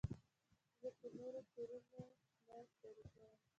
زه په نورو تورونه نه پورې کوم.